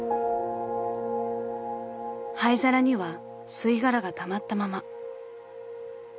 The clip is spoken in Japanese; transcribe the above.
［灰皿には吸い殻がたまったまま］